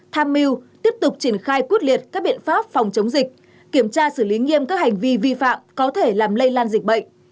tham mưu tiếp tục triển khai quyết liệt các biện pháp phòng chống dịch kiểm tra xử lý nghiêm các hành vi vi phạm có thể làm lây lan dịch bệnh